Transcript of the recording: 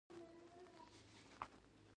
ستر قاچاقبران په سیاسي واک کې شریکان کوي.